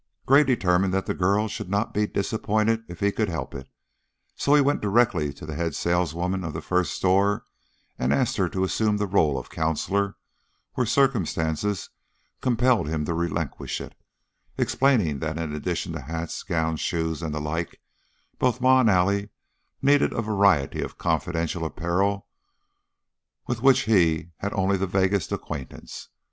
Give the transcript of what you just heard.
Gray determined that the girl should not be disappointed if he could help it, so he went directly to the head saleswoman of the first store, and asked her to assume the role of counselor where circumstance compelled him to relinquish it, explaining that in addition to hats, gowns, shoes, and the like, both Ma and Allie needed a variety of confidential apparel with which he had only the vaguest acquaintance.